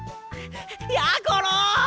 やころ！